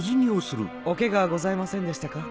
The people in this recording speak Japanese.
おケガはございませんでしたか？